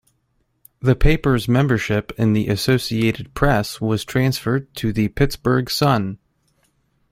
The paper's membership in the Associated Press was transferred to the "Pittsburgh Sun".